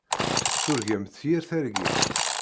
Turgamt yir targit.